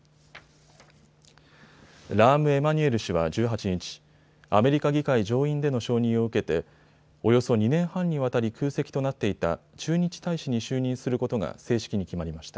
ラーム・エマニュエル氏は１８日、アメリカ議会上院での承認を受けておよそ２年半にわたり空席となっていた駐日大使に就任することが正式に決まりました。